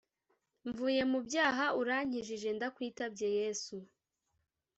Mvuye mu byaha urankijije ndakwitabye yesu